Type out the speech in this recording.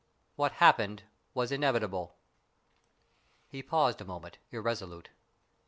What happened was inevitable." He paused a moment, irresolute.